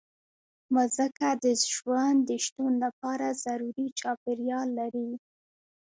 مځکه د ژوند د شتون لپاره ضروري چاپېریال لري.